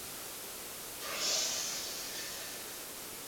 现在有许多烹饪书籍提供马卡龙的食谱。